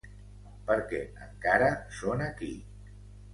Perquè encara són aquí.